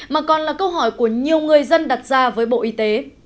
mà còn là câu hỏi của nhiều người dân đặt ra với bộ y tế